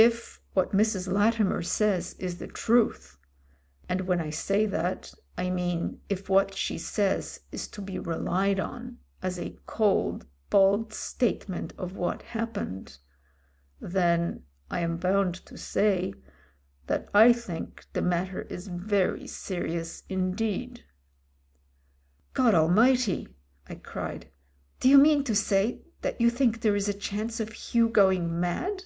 If what Mrs. Latimer says is the truth — ^and when I say that I mean if what she says is to be relied on as a cold, bald state ment of what happened — then I am bound to say that I think the matter is very serious indeed." "God Almighty !" I cried, "do you mean to say that you think there is a chance of Hugh going mad